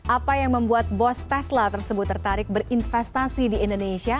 apa yang membuat bos tesla tersebut tertarik berinvestasi di indonesia